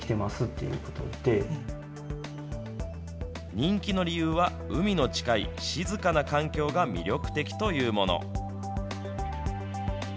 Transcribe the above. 人気の理由は、海の近い静かな環境が魅力的というもの。